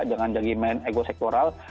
jangan jaga main ego sektoral